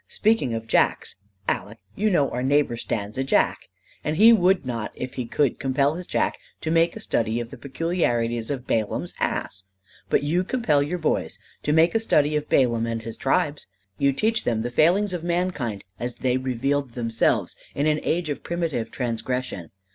Speaking of jacks, Aleck, you know our neighbor stands a jack. And he would not if he could compel his jack to make a study of the peculiarities of Balaam's ass. But you compel your boys to make a study of Balaam and his tribes. You teach them the failings of mankind as they revealed themselves in an age of primitive transgression.